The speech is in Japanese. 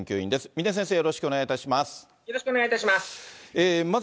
峰先生、よろしくお願いいたします。